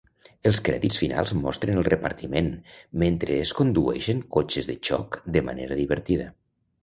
Els crèdits finals mostren el repartiment mentre es condueixen cotxes de xoc de manera divertida.